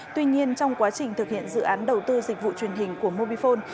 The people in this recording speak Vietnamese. tuy nhiên trong quá trình thực hiện dự án đầu tư dịch vụ truyền hình của mobifone